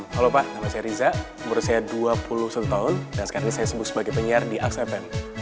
halo pak nama saya riza umur saya dua puluh tahun dan sekarang ini saya sebut sebagai penyiar di ax haven